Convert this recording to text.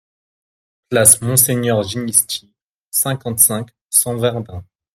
Place Monseigneur Ginisty, cinquante-cinq, cent Verdun